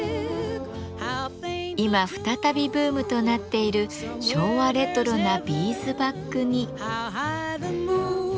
今再びブームとなっている昭和レトロなビーズバッグに。